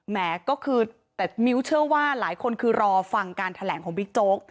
แม้ก็คือแต่มิ้วเชื่อว่าหลายคนคือรอฟังการแถลงของบิ๊กโจ๊ก